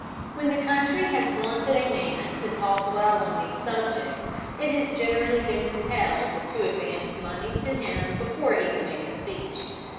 When the country has wanted a man to talk well on these subjects it has generally been compelled to advance money to him before he could make a speech.